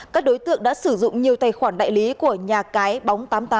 các đối tượng đã sử dụng nhiều tài khoản đại lý của nhà cái bóng tám mươi tám